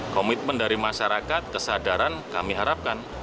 komitmen dari masyarakat kesadaran kami harapkan